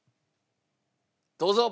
どうぞ。